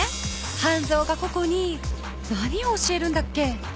ハンゾーがココに何を教えるんだっけ？